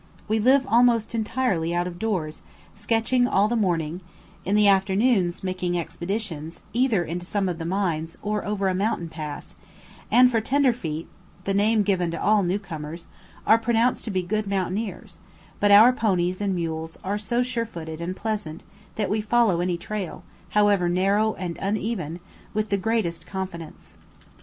We live almost entirely out of doors, sketching all the morning, in the afternoons making expeditions either into some of the mines, or over a mountain pass; and for "tender feet" the name given to all new comers, are pronounced to be good mountaineers; but our ponies and mules are so sure footed and pleasant that we follow any trail, however narrow and uneven, with the greatest confidence.